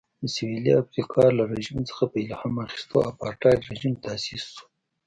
د سوېلي افریقا له رژیم څخه په الهام اخیستو اپارټایډ رژیم تاسیس شو.